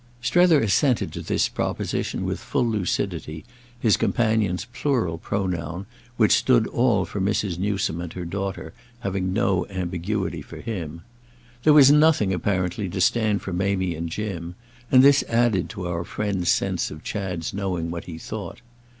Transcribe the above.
Strether assented to this proposition with full lucidity, his companion's plural pronoun, which stood all for Mrs. Newsome and her daughter, having no ambiguity for him. There was nothing, apparently, to stand for Mamie and Jim; and this added to our friend's sense of Chad's knowing what he thought.